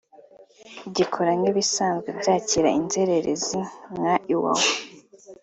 gikora nk’ibisanzwe byakira inzererezi nka Iwawa